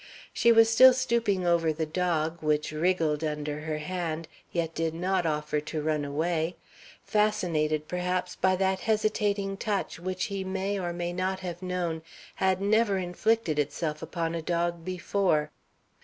She was still stooping over the dog, which wriggled under her hand, yet did not offer to run away, fascinated perhaps by that hesitating touch which he may or may not have known had never inflicted itself upon a dog before.